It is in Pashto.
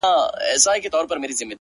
پاچا صفا ووت! ه پکي غل زه یم!